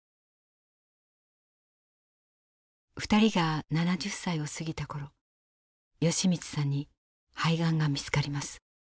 ２人が７０歳を過ぎた頃好光さんに肺がんが見つかります。